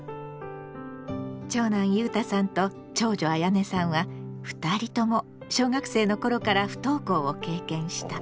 長男ゆうたさんと長女あやねさんは２人とも小学生の頃から不登校を経験した。